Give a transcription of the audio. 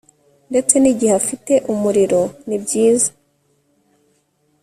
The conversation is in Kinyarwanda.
ndetse nigihe afite umuriro ni byiza